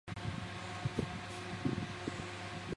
新疆异株荨麻为荨麻科荨麻属下的一个亚种。